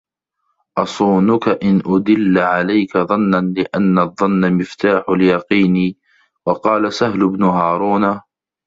أَصُونُك أَنْ أُدِلَّ عَلَيْك ظَنًّا لِأَنَّ الظَّنَّ مِفْتَاحُ الْيَقِينِ وَقَالَ سَهْلُ بْنُ هَارُونَ